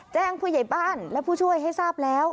แจ้งผู้ใหญ่บ้านและผู้ช่วยให้ทราบแล้ว